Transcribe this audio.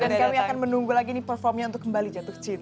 dan kami akan menunggu lagi ini performnya untuk kembali jatuh cinta